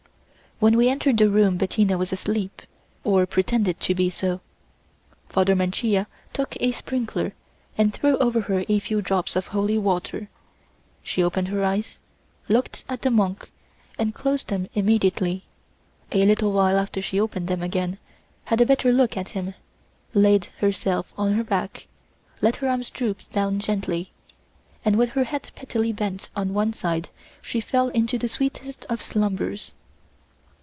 When we entered the room Bettina was asleep, or pretended to be so. Father Mancia took a sprinkler and threw over her a few drops of holy water; she opened her eyes, looked at the monk, and closed them immediately; a little while after she opened them again, had a better look at him, laid herself on her back, let her arms droop down gently, and with her head prettily bent on one side she fell into the sweetest of slumbers.